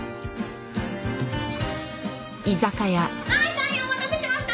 大変お待たせしました！